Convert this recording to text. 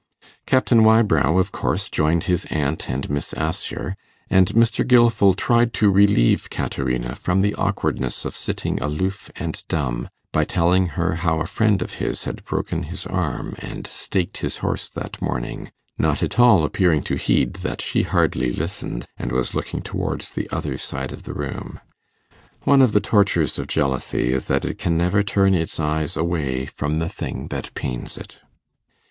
Captain Wybrow, of course, joined his aunt and Miss Assher, and Mr. Gilfil tried to relieve Caterina from the awkwardness of sitting aloof and dumb, by telling her how a friend of his had broken his arm and staked his horse that morning, not at all appearing to heed that she hardly listened, and was looking towards the other side of the room. One of the tortures of jealousy is, that it can never turn its eyes away from the thing that pains it.